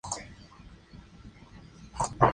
Se encuentran en Indonesia, las Islas Salomón y Filipinas.